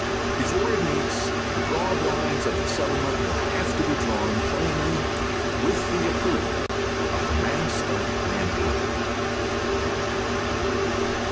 Before it meets, the broad lines of the settlement will have been drawn plainly with the approval of the mass of mankind.